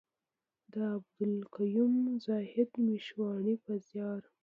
د عبدالقيوم زاهد مشواڼي په زيار.